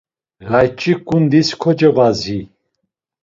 Layç̌i ǩundis kocevazi.